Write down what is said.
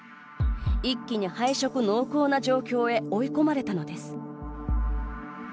一気に敗色濃厚な状況へ追い込まれたのです。